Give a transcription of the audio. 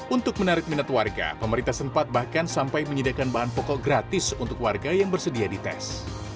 untuk menarik minat warga pemerintah sempat bahkan sampai menyediakan bahan pokok gratis untuk warga yang bersedia dites